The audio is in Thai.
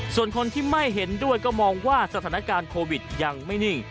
ส่วนคนที่ไม่เห็นด้วยก็มองว่าสถานการณ์โควิดยังไม่นิ่ง